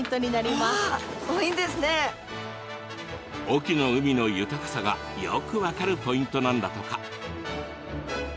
隠岐の海の豊かさがよく分かるポイントなんだとか。